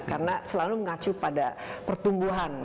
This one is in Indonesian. karena selalu mengacu pada pertumbuhan